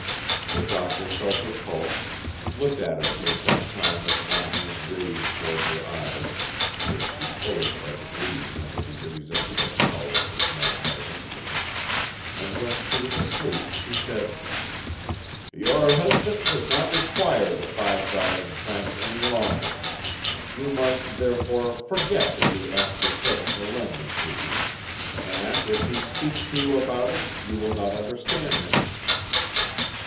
The doctor felt her pulse, looked at her for some time with one hand raised toward her eyes which she closed by degrees under the irresistible power of this magnetic influence, and when she was asleep, he said: "Your husband does not require the five thousand francs any longer! You must, therefore, forget that you asked your cousin to lend them to you, and, if he speaks to you about it, you will not understand him."